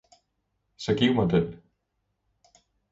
Så giv mig den!